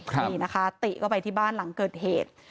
นี่นะคะติก็ไปที่บ้านหลังเกิดเหตุ